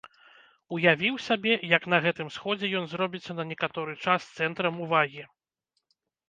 Уявіў сабе, як на гэтым сходзе ён зробіцца на некаторы час цэнтрам увагі.